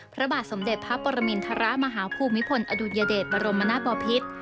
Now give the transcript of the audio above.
พระบาทสมเด็จพระปรมินทรมาฮภูมิพลอดุญเดชบรมนาศบอพิษ